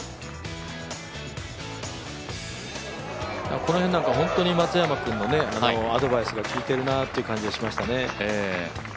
この辺、本当に松山君のアドバイスが効いているなと感じましたね。